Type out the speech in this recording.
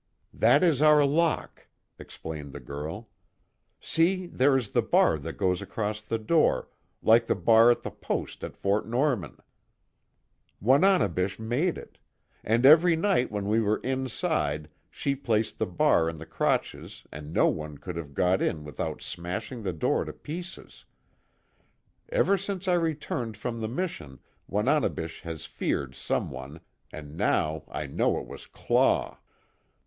"That is our lock," explained the girl. "See, there is the bar that goes across the door, like the bar at the post at Fort Norman. Wananebish made it. And every night when we were inside she placed the bar in the crotches and no one could have got in without smashing the door to pieces. Ever since I returned from the mission, Wananebish has feared someone, and now I know it was Claw."